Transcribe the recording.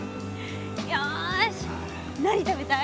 よし何食べたい？